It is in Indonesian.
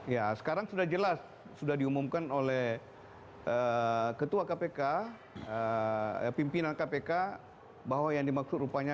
ya sekarang sudah jelas sudah diumumkan oleh ketua kpk pimpinan kpk bahwa yang dimaksud rupanya